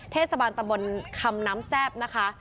เทศบาลตะบนคำน้ำแซ่บนะคะ